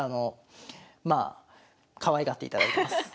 まあかわいがっていただいてます。